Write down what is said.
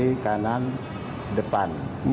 kiri kanan depan